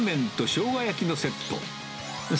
しょうが焼きセット、はい。